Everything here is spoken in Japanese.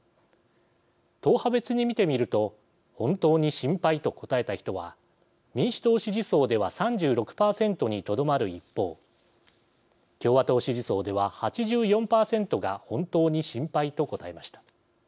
党派別に見てみると本当に心配と答えた人は民主党支持層では３６％にとどまる一方共和党支持層では８４％が本当に心配と答えました。